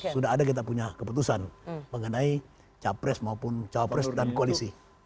sudah ada kita punya keputusan mengenai capres maupun cawapres dan koalisi